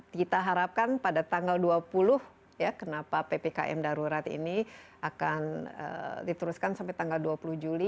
kita harapkan pada tanggal dua puluh ya kenapa ppkm darurat ini akan diteruskan sampai tanggal dua puluh juli